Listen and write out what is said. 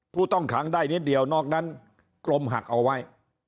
ผู้ต้องขังได้นิดเดียวนอกนั้นกลมหักเอาไว้